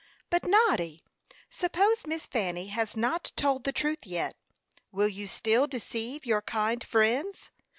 But, Noddy, suppose Miss Fanny has not told the truth yet. Will you still deceive your kind friends?